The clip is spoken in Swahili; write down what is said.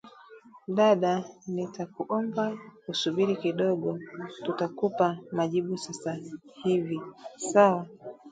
"Dada nitakuomba usubiri kidogo tutakupa majibu Sasa hivi…sawa